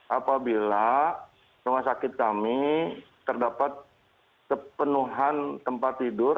apabila rumah sakit kami terdapat kepenuhan tempat tidur